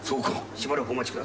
しばらくお待ちください。